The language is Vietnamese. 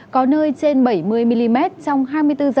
có nơi trên bảy mươi mm trong hai mươi bốn h